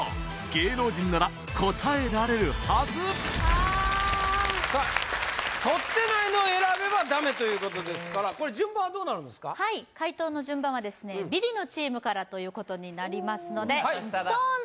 芸能人なら答えられるはずさあとってないのを選べばダメということですから順番はどうなるんですか？ということになりますのでよし！